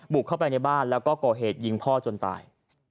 บุกเข้าไปในบ้านแล้วก็ก่อเหตุยิงพ่อจนตาย